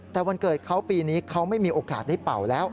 แต่วันเกิดเขาปีนี้เขาไม่มีโอกาสได้เป่าแล้ว